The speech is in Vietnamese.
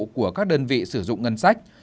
của các đơn vị sử dụng ngân sách